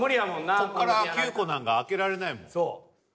こっから９個なんか開けられないもん。